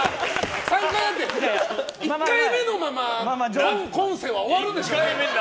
３回あって１回目のまま今世は終わるでしょうね。